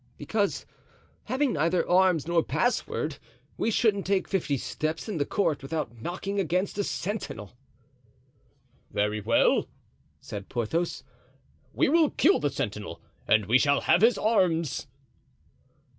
"Because, having neither arms nor password, we shouldn't take fifty steps in the court without knocking against a sentinel." "Very well," said Porthos, "we will kill the sentinel and we shall have his arms."